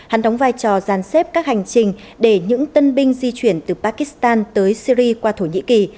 hắn đóng vai trò giàn xếp các hành trình để những tân binh di chuyển từ pakistan tới syri qua thổ nhĩ kỳ